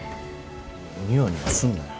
ニヤニヤすんなや。